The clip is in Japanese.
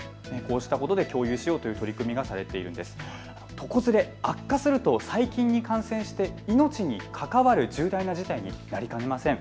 床ずれ、悪化すると細菌に感染して命に関わる重大な事態になりかねません。